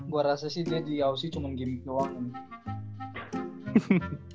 gue rasa sih dia di aussie cuman gaming doang ini